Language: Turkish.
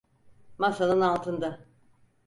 Masanın altında.